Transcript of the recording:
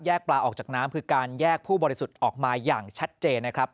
ปลาออกจากน้ำคือการแยกผู้บริสุทธิ์ออกมาอย่างชัดเจนนะครับ